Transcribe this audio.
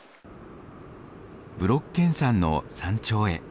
ブロッケン山の山頂へ。